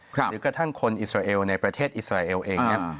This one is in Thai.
หรือกระทั่งคนอิสราเอลในประเทศอิสราเอลเองเนี่ย